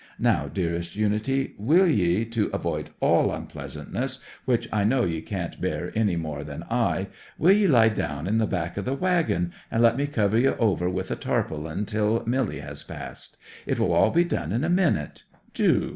Now, dearest Unity, will ye, to avoid all unpleasantness, which I know ye can't bear any more than I, will ye lie down in the back part of the waggon, and let me cover you over with the tarpaulin till Milly has passed? It will all be done in a minute. Do!